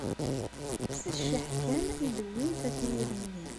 S cceḥ kan ay d-wwint akayad-nni.